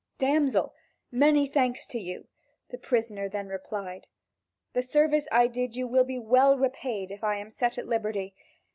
"Damsel, many thanks to you," the prisoner then replied; "the service I did you will be well repaid if I am set at liberty.